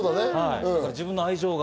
自分の愛情が。